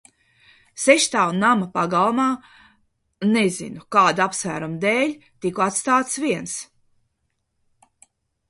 Sešstāvu nama pagalmā, nezinu, kādu apsvērumu dēļ, tiku atstāts viens.